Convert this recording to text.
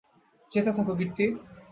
যেতে থাক, কীর্তি।